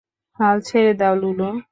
হাল ছেড়ে দাও, লুলু।